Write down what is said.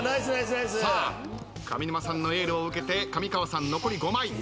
さあ上沼さんのエールを受けて上川さん残り５枚。